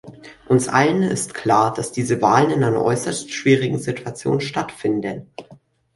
Uns allen ist klar, dass diese Wahlen in einer äußerst schwierigen Situation stattfinden.